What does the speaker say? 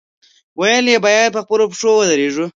ویل یې، باید په خپلو پښو ودرېږو.